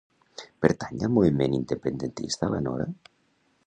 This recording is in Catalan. Pertany al moviment independentista la Nora?